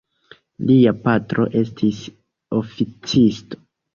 Lia patro estis oficisto.